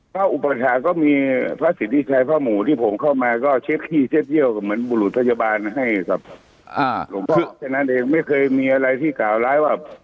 อุปถาก็มีพระสิทธิชัยพระหมู่ที่ผมเข้ามาก็เช็คที่เช็ดเยี่ยวก็เหมือนบุรุษพยาบาลให้กับหลวงพ่อแค่นั้นเองไม่เคยมีอะไรที่กล่าวร้ายว่า